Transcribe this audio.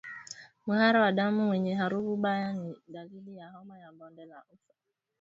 Mharo wa damu wenye harufu mbaya ni dalili ya homa ya bonde la ufa